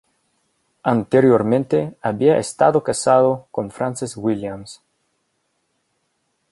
Anteriormente había estado casado con Frances Williams.